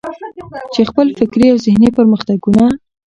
چې خپل فکري او ذهني پرمختګونه.